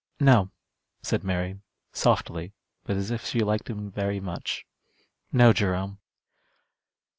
"No," said Mary, softly, but as if she liked him very much. "No, Jerome."